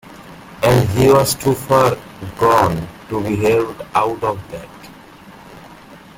And he was too far gone to be helped out of that.